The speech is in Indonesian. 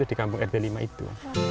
di kampung rt v itu